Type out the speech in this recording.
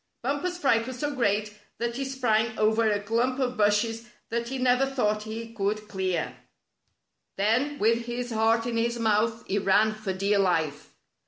Bumper's fright was so great that he sprang 42 A Test of Fleetness over a clump of bushes that he never thought he could clear. Then, with his heart in his mouth, he ran for dear life.